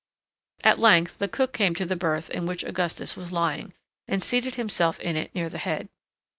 At length the cook came to the berth in which Augustus was lying, and seated himself in it near the head.